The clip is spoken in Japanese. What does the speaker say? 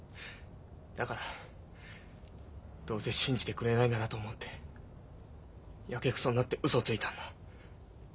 だからどうせ信じてくれないならと思ってヤケクソになってウソをついたんだ。